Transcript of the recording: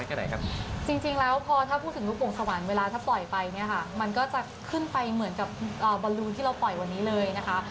จริงแล้วพอถ้าพูดถึงลูกวงสวรรค์เวลาถ้าปล่อยไปเนี่ยค่ะมันก็จะขึ้นไปเหมือนกับบอลลูนที่เราปล่อยวันนี้เลยนะคะ